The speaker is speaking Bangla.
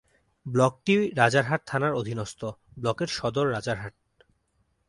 ব্লকটি রাজারহাট থানার অধীনস্থ।. ব্লকের সদর রাজারহাট।